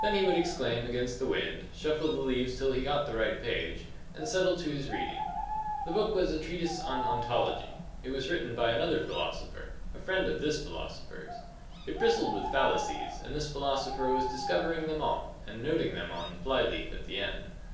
Then he would exclaim against the wind, shuffle the leaves till he got the right page, and settle to his reading. The book was a treatise on ontology; it was written by another philosopher, a friend of this philosopher's; it bristled with fallacies, and this philosopher was discovering them all, and noting them on the fly leaf at the end.